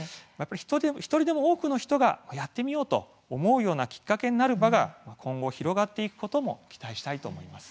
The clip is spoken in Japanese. １人でも多くの人がやってみようと思うようなきっかけになる場が今後、広がっていくことも期待したいと思います。